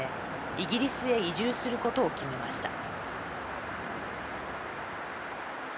イギリスへ移住することを決めました。